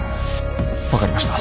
分かりました。